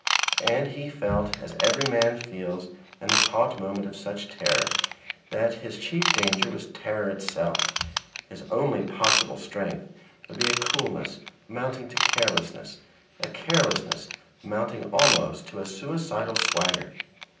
And he felt as every man feels in the taut moment of such terror that his chief danger was terror itself; his only possible strength would be a coolness amounting to carelessness, a carelessness amounting almost to a suicidal swagger.